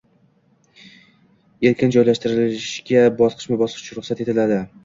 erkin joylashtirishga bosqichma-bosqich ruxsat etiladi.